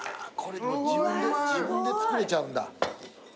自分で作れちゃうんだ。